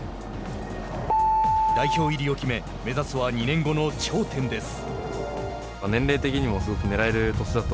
代表入りを決め目指すは２年後の頂点です。